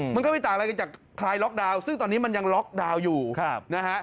มันก็ไม่ต่างอะไรกันจากคลายล็อกดาวน์ซึ่งตอนนี้มันยังล็อกดาวน์อยู่นะฮะ